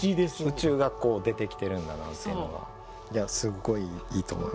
宇宙が出てきてるんだなというのがすごいいいと思います。